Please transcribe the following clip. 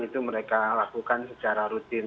itu mereka lakukan secara rutin